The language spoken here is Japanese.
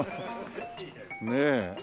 ねえ。